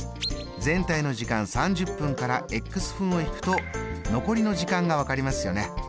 全体の時間３０分から分を引くと残りの時間が分かりますよね。